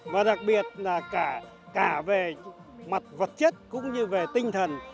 và đặc biệt là cả về mặt vật chất cũng như về tinh thần